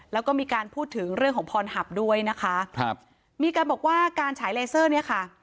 แล้วก็มีการพูดถึงเรื่องของพรหับด้วยนะคะครับมีการบอกว่าการฉายเลเซอร์เนี่ยค่ะ